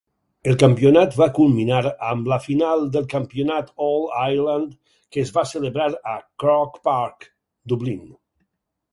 El campionat va culminar amb la final del campionat All-Ireland, que es va celebrar a Croke Park, Dublín.